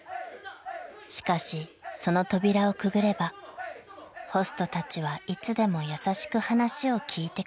［しかしその扉をくぐればホストたちはいつでも優しく話を聞いてくれる］